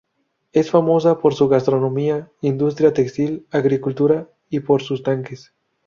Es famosa por su gastronomía, industria textil, agricultura y por sus tanques.